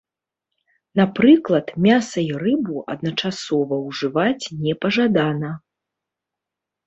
Напрыклад, мяса і рыбу адначасова ўжываць непажадана.